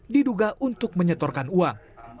diduga untuk menyetorkan uang